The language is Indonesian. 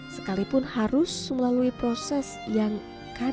sekalipun harus melalui proses yang kadang kadang tidak terlalu berhasil